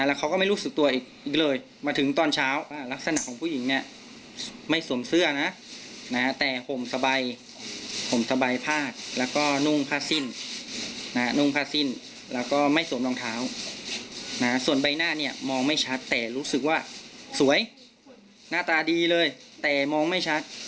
แล้วเขาก็ไม่รู้สึกตัวอีกเลยมาถึงตอนเช้ารักษณะของผู้หญิงไม่